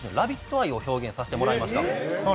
愛を表現させていただきました。